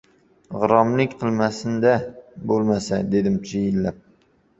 — G‘irromlik qilmasin-da, bo‘lmasa! — dedim chiyillab.